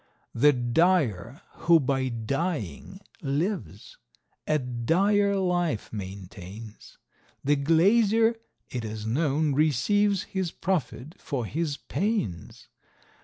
The dyer, who by dying lives, a dire life maintains; The glazier, it is known, receives his profits for his panes.